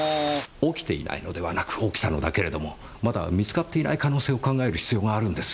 起きていないのではなく起きたのだけれどもまだ見つかっていない可能性を考える必要があるんです。